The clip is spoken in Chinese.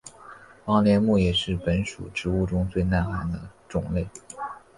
黄连木也是本属植物中最耐寒的种类。